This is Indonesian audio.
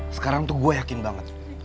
sekarang tuh gue yakin banget